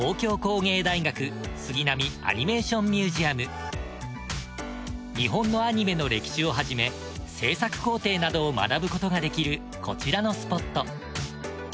訪れたのは日本のアニメの歴史をはじめ制作工程などを学ぶことができるこちらのスポット。